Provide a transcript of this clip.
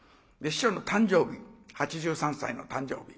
師匠の誕生日８３歳の誕生日。